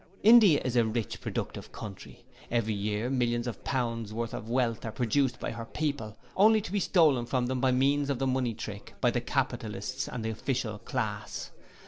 'India is a rich productive country. Every year millions of pounds worth of wealth are produced by her people, only to be stolen from them by means of the Money Trick by the capitalist and official class.